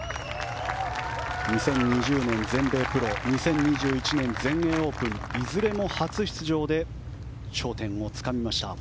２０２０年全米プロ２０２１年全英オープンいずれも初出場で頂点をつかみました。